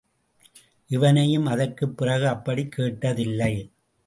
இவனையும் அதற்கு பிறகு அப்படிக் கேட்டதில்லை.